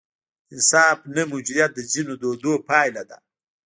د انصاف نه موجودیت د ځینو دودونو پایله ده.